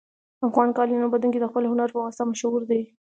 افغان قالین اوبدونکي د خپل هنر په واسطه مشهور دي